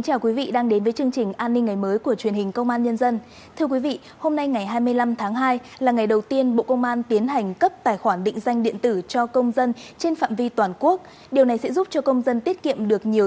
các bạn hãy đăng ký kênh để ủng hộ kênh của chúng mình nhé